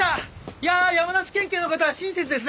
いやあ山梨県警の方は親切ですね。